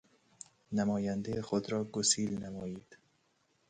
نمایندهُ خود را گسیل نمائید.